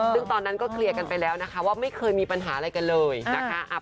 ซึ่งตอนนั้นก็เคลียร์กันไปแล้วนะคะว่าไม่เคยมีปัญหาอะไรกันเลยนะคะ